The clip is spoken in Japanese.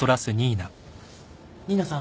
・・新名さん。